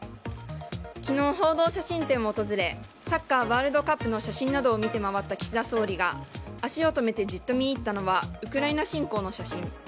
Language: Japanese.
昨日、「報道写真展」を訪れサッカーワールドカップの写真などを見て回った岸田総理が足を止めてじっと見入ったのはウクライナ侵攻の写真。